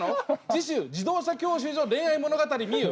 次週自動車教習所恋愛物語美由